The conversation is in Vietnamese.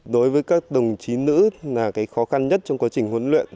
đối với các đồng chí nữ là cái khó khăn nhất trong quá trình huấn luyện